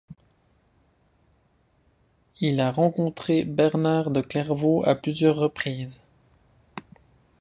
Il a rencontré Bernard de Clairvaux à plusieurs reprises.